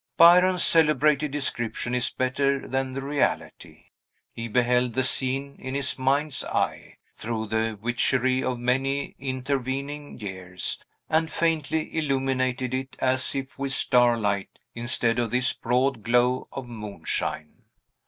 Byron's celebrated description is better than the reality. He beheld the scene in his mind's eye, through the witchery of many intervening years, and faintly illuminated it as if with starlight instead of this broad glow of moonshine.